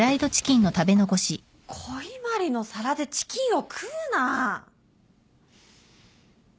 古伊万里の皿でチキンを食うな。